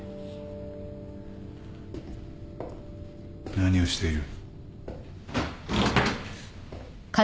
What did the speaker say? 何をしている。